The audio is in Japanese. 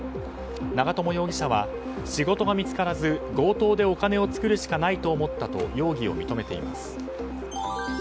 長友容疑者は仕事が見つからず強盗でお金を作るしかないと思ったと容疑を認めています。